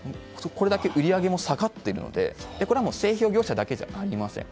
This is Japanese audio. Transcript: これだけ売り上げも下がっているのでこれはもう製氷業者だけじゃありません。